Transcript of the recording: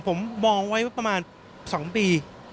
ผมมองไว้ประมาณ๒ปี